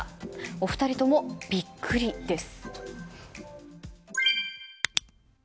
お二人ともビックリです。